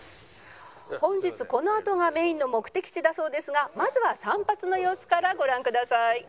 「本日このあとがメインの目的地だそうですがまずは散髪の様子からご覧ください」